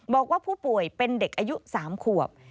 บอกว่าผู้ป่วยเป็นเด็กอายุ๓ขวบ